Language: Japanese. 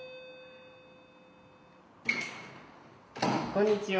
こんにちは。